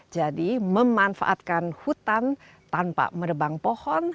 jadi memanfaatkan hutan tanpa merebang pohon